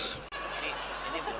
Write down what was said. ini belum sambutan